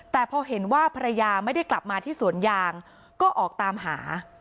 แต่พอเห็นว่าภรรยาไม่ได้กลับมาที่สวนยางก็ออกตามหา